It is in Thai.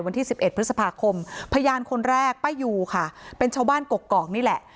วันที่๑๑พฤษภาคมพยานคนแรกป้ายูค่ะเป็นชาวบ้านกกอกนี่แหละ